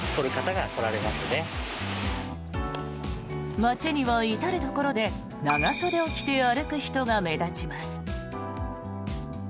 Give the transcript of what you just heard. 街には至るところで長袖を着て歩く人が目立ちます。